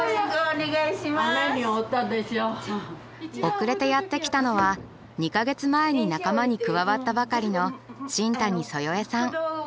遅れてやって来たのは２か月前に仲間に加わったばかりの新谷若枝さん。